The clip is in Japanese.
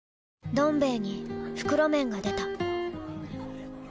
「どん兵衛」に袋麺が出た